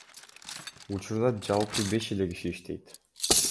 Учурда жалпы беш эле киши иштейт.